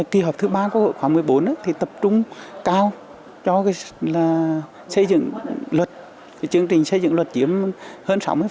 kỳ họp thứ ba của khóa một mươi bốn thì tập trung cao cho cái xây dựng luật chương trình xây dựng luật chiếm hơn sáu mươi